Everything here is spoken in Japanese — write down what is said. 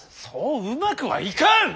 そううまくはいかん！